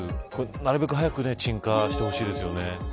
なるべく早く鎮火してほしいですね。